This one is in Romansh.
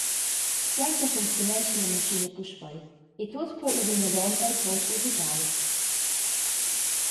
Suenter funcziunescha la maschina puspei e tut po ir vinavon el trot usitau.